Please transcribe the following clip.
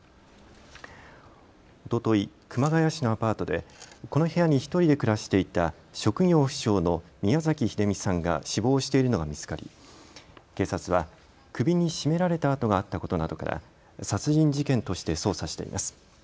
おととい、熊谷市のアパートでこの部屋に１人で暮らしていた職業不詳の宮崎英美さんが死亡しているのが見つかり警察は首に絞められた痕があったことなどから殺人事件として捜査しています。